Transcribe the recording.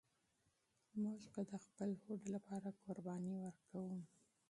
موږ به د خپل هوډ لپاره قرباني ورکوو.